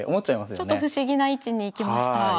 ちょっと不思議な位置に行きました。